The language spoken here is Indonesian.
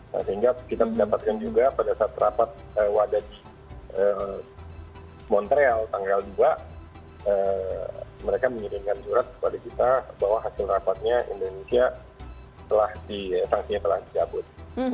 sehingga kita mendapatkan juga pada saat rapat wadah montreal tanggal dua mereka mengirimkan surat kepada kita bahwa hasil rapatnya indonesia sanksinya telah dicabut